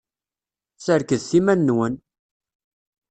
Serkdet iman-nwen!